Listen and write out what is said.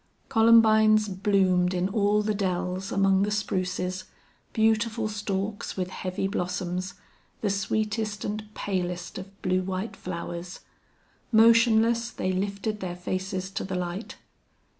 Columbines bloomed in all the dells among the spruces, beautiful stalks with heavy blossoms, the sweetest and palest of blue white flowers. Motionless they lifted their faces to the light.